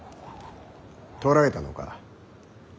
捕らえたのか。